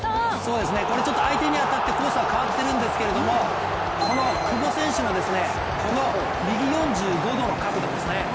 これちょっと相手に当たってコースは変わってるんですけど久保選手のこの右４５度の角度ですね。